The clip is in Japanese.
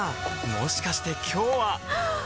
もしかして今日ははっ！